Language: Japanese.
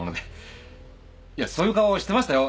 いやそういう顔してましたよ。